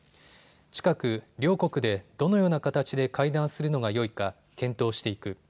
近く両国でどのような形で会談するのがよいか検討していく。